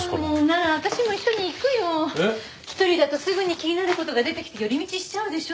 １人だとすぐに気になる事が出てきて寄り道しちゃうでしょ。